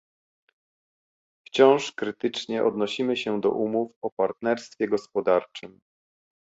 Wciąż krytycznie odnosimy się do umów o partnerstwie gospodarczym